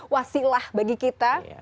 wasilah bagi kita